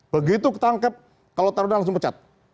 begitu ketangkep kalau taruna langsung pecat